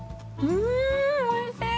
うんおいしい！